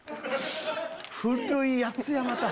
古いやつやまた。